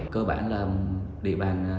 cơ bản là địa bàn